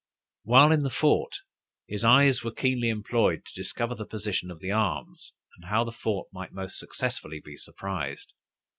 While in the fort, his eyes were keenly employed to discover the position of the arms, and how the fort might most successfully be surprised.